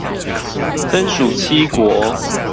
分屬七國